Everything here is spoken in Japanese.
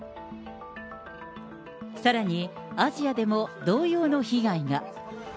さらにアジアでも同様の被害が。